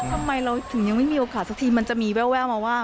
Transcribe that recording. ทำไมเราถึงยังไม่มีโอกาสสักทีมันจะมีแววมาว่า